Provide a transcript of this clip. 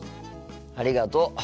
ありがとう。